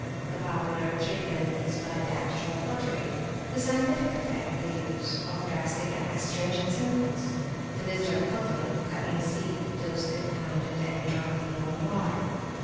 The popular treatment is by the actual cautery; the scientific affect the use of drastics and astringent simples, and the Bizr al Kutn (cotton seed), toasted, pounded, and drunk in warm water.